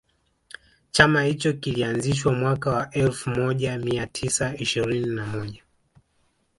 Chama hicho kilianzishwa mwaka wa elfumoja mia tisa ishirini na moja